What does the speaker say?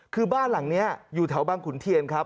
คือบ้านหลังนี้อยู่แถวบางขุนเทียนครับ